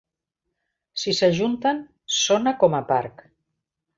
Si s'ajunten, sona com a parc.